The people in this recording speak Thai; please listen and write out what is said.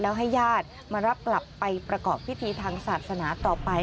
แล้วให้ญาติมารับกลับไปประกอบพิธีทางศาสนาต่อไป